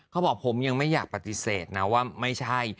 เขาบอกผมยังไม่อยากปฏิเสธนะว่าไม่ใช่